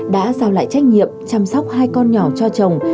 đã giao lại trách nhiệm chăm sóc hai con nhỏ cho chồng